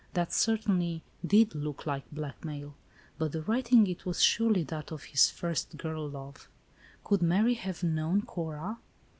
That, certainly, did (look like blackmail ; but the writing — it was surely that of his first girl love. Could Mary have known Cora?